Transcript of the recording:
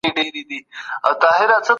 هیڅوک نه سي کولای د بل چا په رایې فشار راوړي.